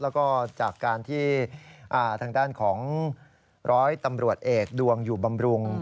แล้วก็จากการที่ทางด้านของร้อยตำรวจเอกดวงอยู่บำรุง